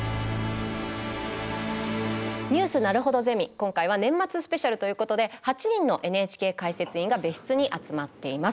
今回は年末スペシャルということで８人のＮＨＫ解説委員が別室に集まっています。